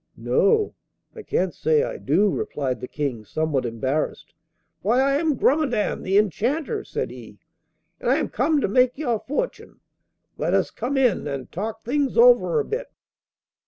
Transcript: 'No, I can't say I do,' replied the King, somewhat embarrassed. 'Why, I am Grumedan, the Enchanter,' said he, 'and I am come to make your fortune. Let us come in and talk things over a bit.